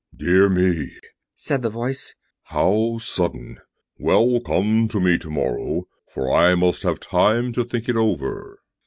"Dear me," said the Voice, "how sudden! Well, come to me tomorrow, for I must have time to think it over."